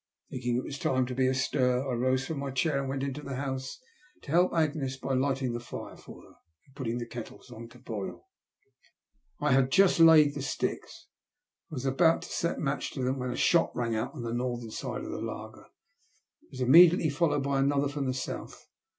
Thinking it was time to be astir, I rose tram mj chair and went into the house to help Agnes by light' ing the fire for her, and putting the kettles on to boil I had just laid the sticks, and was about to set a match to them, when a shot rang out on the northern side of the laager. It was immediately followed by another from the south.